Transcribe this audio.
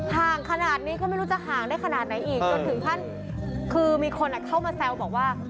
ห่างขนาดนี้ก็ไม่รู้จะห่างได้ขนาดไหนอีกจนถึงขั้นคือมีคนเข้ามาแซวบอกว่า